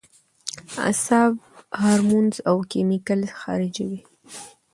اعصاب هارمونز او کېميکلز خارجوي